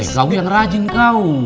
kau yang rajin kau